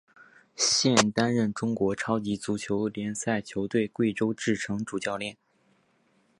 现担任中国超级足球联赛球队贵州智诚主教练。